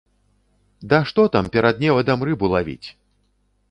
Да што там перад невадам рыбу лавіць!